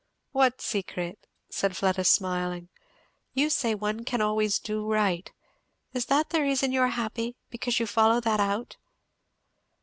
"What secret?" said Fleda smiling. "You say one can always do right is that the reason you are happy? because you follow that out?"